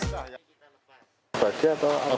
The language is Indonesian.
mobil pribadi ya